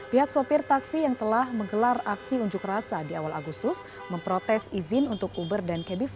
pihak sopir taksi yang telah menggelar aksi unjuk rasa di awal agustus memprotes izin untuk uber dan kbv